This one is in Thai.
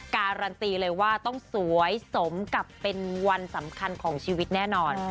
การันตีเลยว่าต้องสวยสมกับเป็นวันสำคัญของชีวิตแน่นอน